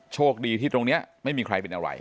โชคดีที่ตรงนี้ไม่มีใครเป็นอะไร